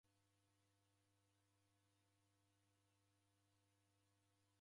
Kwa agho ghose kubonyere.